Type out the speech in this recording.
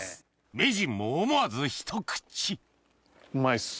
名人も思わず一口うまいっす。